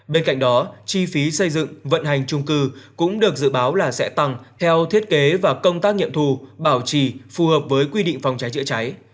bên cạnh đó chi phí xây dựng vận hành trung cư cũng được dự báo là sẽ tăng theo thiết kế và công tác nghiệm thù bảo trì phù hợp với quy định phòng cháy chữa cháy